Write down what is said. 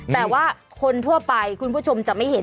แต่ว่าคนทั่วไปคุณผู้ชมจะไม่เห็น